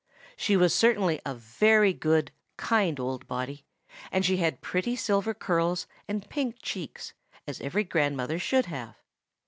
She was certainly a very good, kind old body; and she had pretty silver curls and pink cheeks, as every grandmother should have.